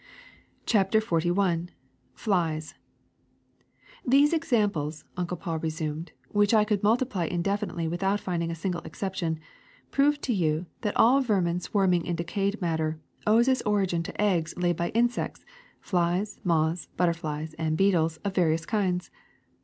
*' a T CHAPTER XLI FLIES HESE examples," Uncle Paul resumed, which I could multiply indefinitely without finding a single exception, prove to you that all vermin swarming in decayed matter owes its origin to eggs laid by insects, flies, moths, butterflies, and beetles, of various kinds.